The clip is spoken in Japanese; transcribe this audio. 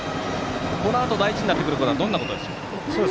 このあと大事になってくるのはどんなことでしょうか？